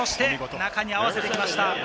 中に合わせてきました。